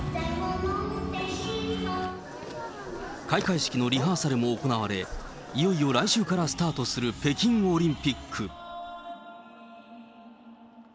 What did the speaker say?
開会式のリハーサルも行われ、いよいよ来週からスタートする北京オリンピック。